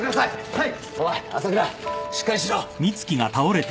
はい！